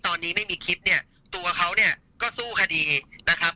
ตอนนี้ไม่มีคลิปเนี่ยตัวเขาเนี่ยก็สู้คดีนะครับ